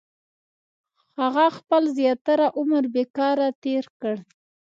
• هغه خپل زیاتره عمر بېکاره تېر کړ.